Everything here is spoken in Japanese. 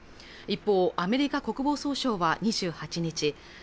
一方アメリカ国防総省は２８日